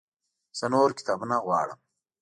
زه نور کتابونه غواړم